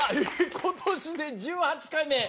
今年で１８回目。